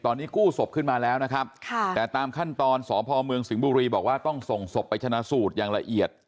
ตอนนี้กู้ศพขึ้นมาแล้วนะครับแต่ตามขั้นตอนสพเมืองสิงห์บุรีบอกว่าต้องส่งศพไปชนะสูตรอย่างละเอียด